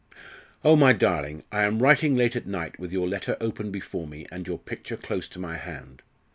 "... Oh, my darling! I am writing late at night, with your letter open before me and your picture close to my hand.